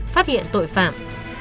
phát hiện tội phạm